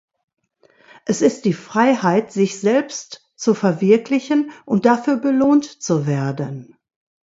Es ist die Freiheit, sich selbst zu verwirklichen und dafür belohnt zu werden.